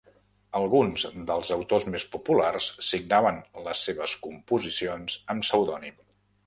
Alguns dels autors més populars signaven les seves composicions amb pseudònim.